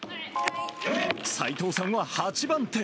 齋藤さんは８番手。